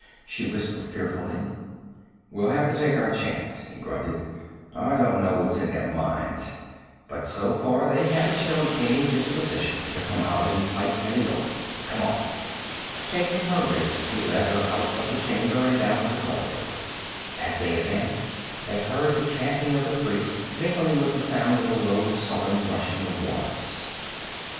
she whispered fearfully. 'We'll have to take our chance,' he grunted. 'I don't know what's in their minds, but so far they haven't shown any disposition to come out and fight in the open. Come on.' Taking her wrist he led her out of the chamber and down the corridor. As they advanced they heard the chanting of the priests, and mingling with the sound the low sullen rushing of waters.